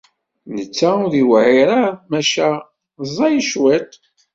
Netta ur yewɛiṛ, maca ẓẓay cwiṭ.